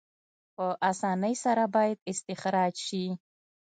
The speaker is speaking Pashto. په اسانۍ سره باید استخراج شي.